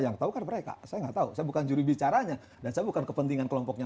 atau mereka saya nggak tahu saya bukan juri bicaranya dan saya bukan kepentingan kelompoknya